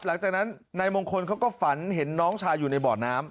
หลังจากนั้นนายมงคลเขาก็ฝันเห็นน้องชายอยู่ในบ่อน้ำ